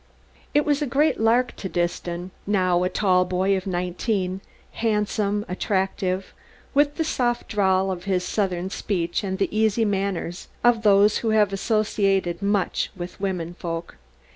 It was a great lark to Disston, now a tall boy of nineteen, handsome, attractive, with the soft drawl of his southern speech and the easy manners of those who have associated much with women folk.